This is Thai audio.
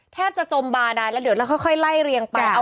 แทบจะจมบาดานแล้วเดี๋ยวเราค่อยไล่เรียงไป